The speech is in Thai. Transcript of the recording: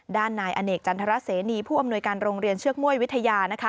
ด้านนายอเนกจันทรเสนีผู้อำนวยการโรงเรียนเชือกม่วยวิทยา